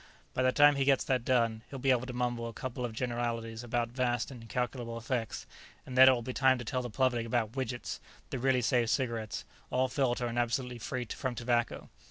By the time he gets that done, he'll be able to mumble a couple of generalities about vast and incalculable effects, and then it'll be time to tell the public about Widgets, the really safe cigarettes, all filter and absolutely free from tobacco."